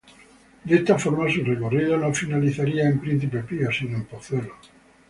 De esta forma, su recorrido no finalizaría en Principe Pío, sino en Pozuelo.